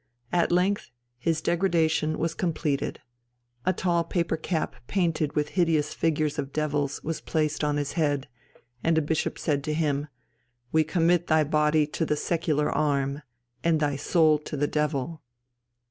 At length his degradation was completed; a tall paper cap painted with hideous figures of devils was placed upon his head, and a bishop said to him, "We commit thy body to the secular arm, and thy soul to the devil."